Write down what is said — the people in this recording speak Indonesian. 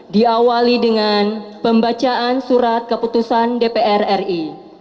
diawali dengan pembacaan surat keputusan dpr ri